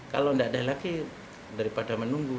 kalau tidak ada lagi daripada menunggu